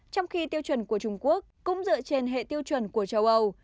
trong khi tiêu chuẩn của trung quốc cũng dựa trên hệ tiêu chuẩn của châu âu